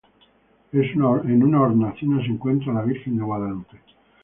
En una hornacina se encuentra la Virgen de Guadalupe.